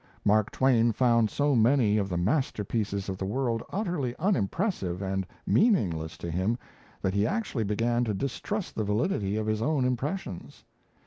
Mark Twain found so many of the "masterpieces of the world" utterly unimpressive and meaningless to him, that he actually began to distrust the validity of his own impressions.